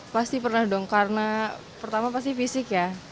pasti pernah dong karena pertama pasti fisik ya